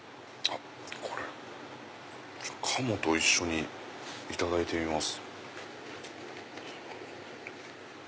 鴨と一緒にいただいてみます。